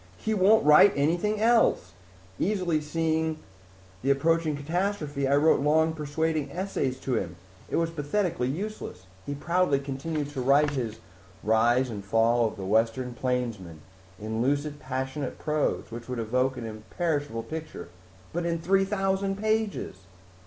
"He won't write anything else! Easily seeing the approaching catastrophe, I wrote long persuading essays to him. It was pathetically useless. Proudly he continued to write his Rise and Fall of the Western Plainsman in a lucid, passionate prose which would evoke an imperishable picture but in three thousand pages."